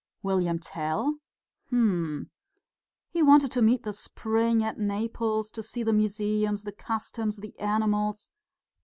"William Tell? Hm!" "He wanted to meet the spring at Naples, to see the museums, the customs, the animals...."